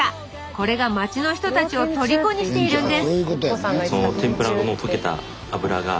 これが町の人たちをとりこにしているんです